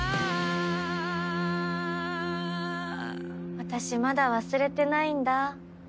私まだ忘れてないんだ。